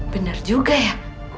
bener juga ya